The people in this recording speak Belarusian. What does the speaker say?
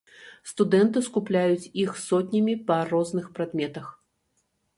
Студэнты скупляюць іх сотнямі па розных прадметах.